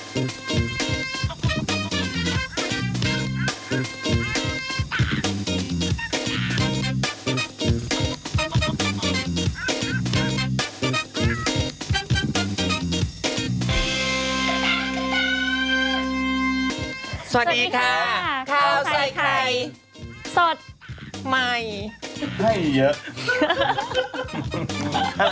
สวัสดีค่ะข้าวใส่ไข่สดใหม่ให้เยอะ